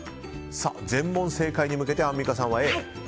全問正解に向けてアンミカさん、Ａ。